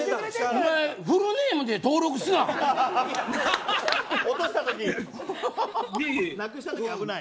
お前フルネームで登録すな。